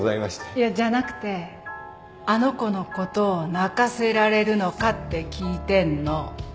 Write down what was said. いやじゃなくてあの子のことを泣かせられるのかって聞いてんの。